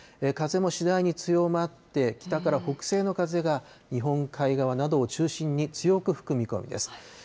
風も次第に強まって、北から北西の風が日本海側などを中心に強く吹く見込みです。